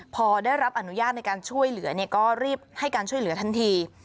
พอได้รับอนุญาตในการช่วยเหลือก็รีบให้การช่วยเหลือทันที